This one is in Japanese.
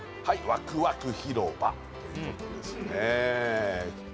わくわく広場ということですね